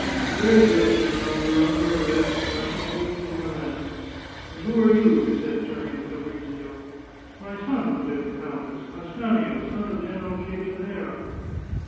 " Very good, general, you are under arrest, and I shall take you to Milan. — ^And who are you ?" he said, turning to Fabrizio. " My son," put in the countess, " Ascanio, son of Gen eral Pietranera."